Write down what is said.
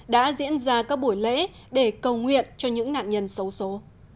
đã diễn ra các buổi lễ để cầu nguyện cho những nạn nhân xấu xố